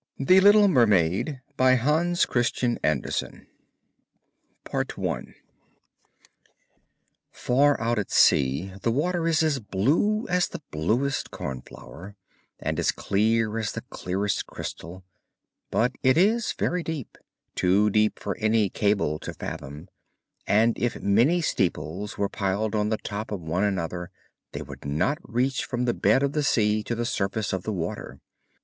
THE MERMAID Far out at sea the water is as blue as the bluest cornflower, and as clear as the clearest crystal; but it is very deep, too deep for any cable to fathom, and if many steeples were piled on the top of one another they would not reach from the bed of the sea to the surface of the water.